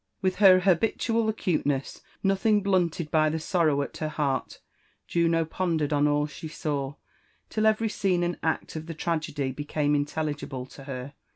249 With her habitaal acuteness, nothiDg blunted by the sorrow at her heart, Juno pondered on all she saw, till every scene and act of the tragedy became intelligible to her.